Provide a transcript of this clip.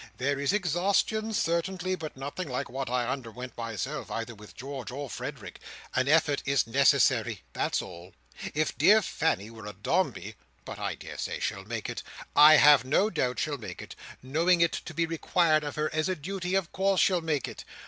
There is exhaustion, certainly, but nothing like what I underwent myself, either with George or Frederick. An effort is necessary. That's all. If dear Fanny were a Dombey!—But I daresay she'll make it; I have no doubt she'll make it. Knowing it to be required of her, as a duty, of course she'll make it.